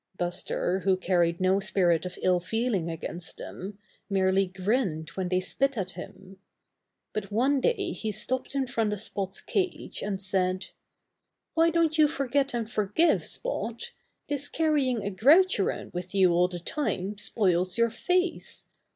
Buster, who carried no spirit of ill feeling against them, merely grinned when they spit at him. But one day he stopped in front of Spot's cage, and said : 'Why don't you forget and forgive. Spot? This carrying a grouch around with you all the time spoils your face.